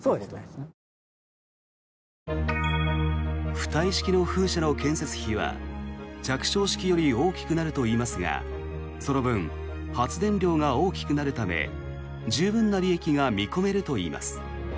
浮体式の風車の建設費は着床式より大きくなるといいますがその分、発電量が大きくなるため十分な利益が見込めるといいます。